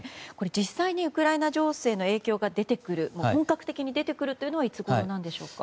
実際にウクライナ情勢の影響が本格的に出てくるのはいつごろなんでしょうか。